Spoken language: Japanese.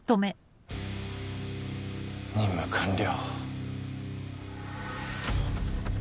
任務完了。